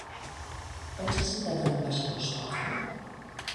On s'ha citat a l'ambaixador espanyol?